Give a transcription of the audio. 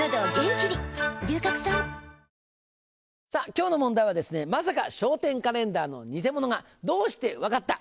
今日の問題は「まさか笑点カレンダーの偽物がどうして分かった？」